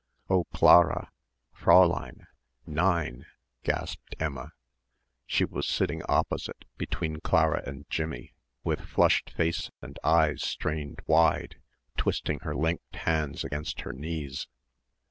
"Oh, Clara! Fräulein! Nein!" gasped Emma. She was sitting opposite, between Clara and Jimmie with flushed face and eyes strained wide, twisting her linked hands against her knees.